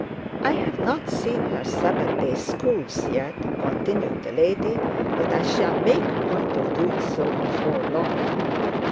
'I have not seen her Sabbath day schools yet,' continued the lady, 'but I shall make a point of doing so before long.'